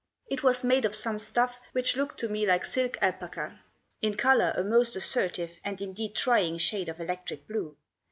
It was made of some stuff which looked to me like silk alpaca; in colour a most assertive, and indeed trying, shade of electric blue.